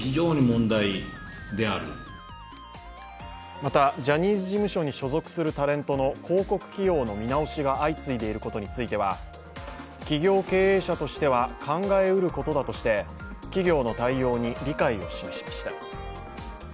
また、ジャニーズ事務所に所属するタレントの広告起用の見直しが相次いでいることについては企業経営者としては考えうることだとして、企業の対応に理解を示しました。